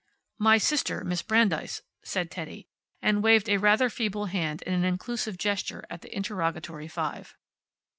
"My sister, Miss Brandeis," said Teddy, and waved a rather feeble hand in an inclusive gesture at the interrogatory five.